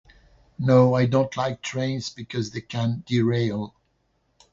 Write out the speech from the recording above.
No, I don't like trains, because they can derail.